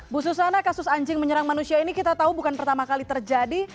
bu susana kasus anjing menyerang manusia ini kita tahu bukan pertama kali terjadi